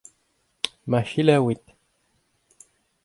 Ma selaouit.